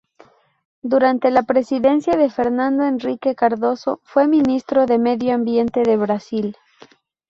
Durante la presidencia de Fernando Henrique Cardoso fue Ministro de Medio Ambiente de Brasil.